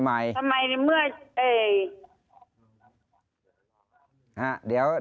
เขามาให้เมื่อ